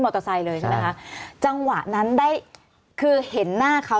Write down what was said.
เตอร์ไซค์เลยใช่ไหมคะจังหวะนั้นได้คือเห็นหน้าเขา